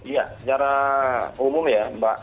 iya secara umum ya mbak